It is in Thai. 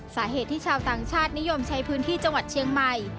สาเหตุที่ชาวต่างชาตินิยมใช้พื้นที่จังหวัดเชียงใหม่